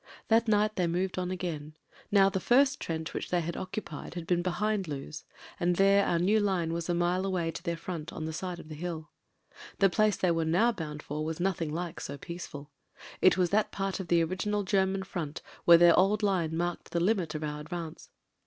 That night they moved on again. Now the first trench which they had occupied had been behind Loos, and there our new line was a mile away to their front on the side of a hill. The place they were now bound for was nothing like so peaceful. It was that part of the original German front where their old line marked the limit of our advance.